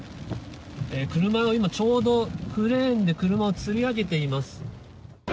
車が今ちょうど、クレーンで車をつり上げています。